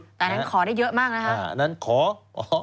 แต่อันนั้นขอได้เยอะมากนะคะ